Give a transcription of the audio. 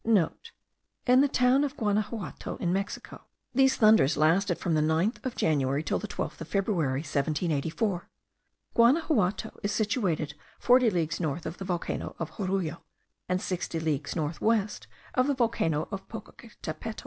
(* In the town of Guanaxuato, in Mexico, these thunders lasted from the 9th of January till the 12th of February, 1784. Guanaxuato is situated forty leagues north of the volcano of Jorullo, and sixty leagues north west of the volcano of Popocatepetl.